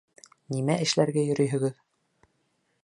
Нимә эшләргә йөрөйһөгөҙ?